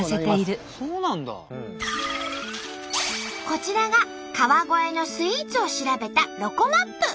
こちらが川越のスイーツを調べたロコＭＡＰ。